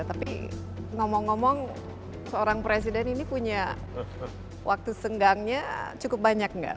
tapi ngomong ngomong seorang presiden ini punya waktu senggangnya cukup banyak nggak